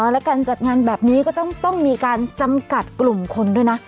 และการจัดงานแบบนี้ก็ต้องมีการจำกัดกลุ่มคนด้วยนะ